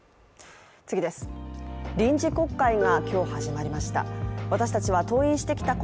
臨時国会が今日始まりました。